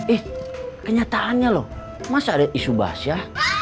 eh kenyataannya loh masa ada isu bahas ya